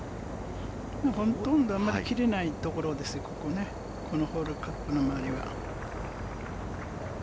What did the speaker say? ほとんどあまり切れないところですね、このカップの周りは。